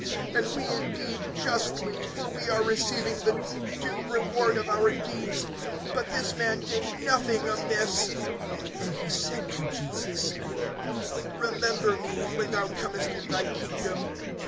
(41)And we indeed justly; for we are receiving the due reward of our deeds; but this man did nothing amiss. (42)And he said to Jesus: Remember me, when thou comest in thy kingdom.